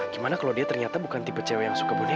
gimana kalau dia ternyata bukan tipe cw yang suka budi